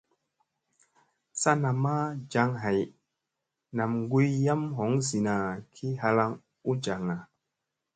Sa namma jaŋ hay, nam guy yam hoŋ zina ki halaŋ u jaŋga.